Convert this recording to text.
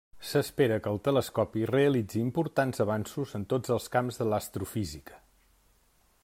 S'espera que el telescopi realitzi importants avanços en tots els camps de l'astrofísica.